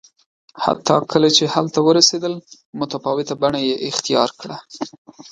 حتی کله چې هلته ورسېدل متفاوته بڼه یې اختیار کړه